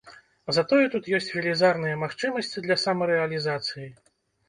Затое тут ёсць велізарныя магчымасці для самарэалізацыі.